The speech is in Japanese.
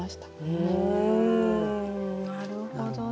うんなるほどね。